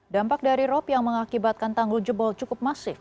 dampak dari rop yang mengakibatkan tanggul jebol cukup masif